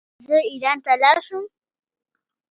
ایا زه ایران ته لاړ شم؟